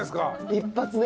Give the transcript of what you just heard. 一発ね。